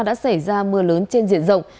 đã xảy ra mưa lớn trên diện rộng